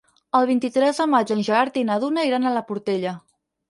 El vint-i-tres de maig en Gerard i na Duna iran a la Portella.